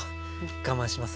我慢します。